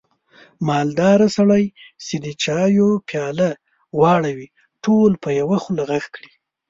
مالداره سړی چې د چایو پیاله واړوي، ټول په یوه خوله غږ کړي.